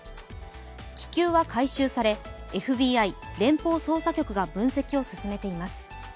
気球は回収され、ＦＢＩ＝連邦捜査局が分析を進めています。